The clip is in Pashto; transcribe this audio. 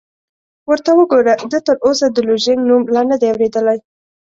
ورته وګوره، ده تراوسه د لوژینګ نوم لا نه دی اورېدلی!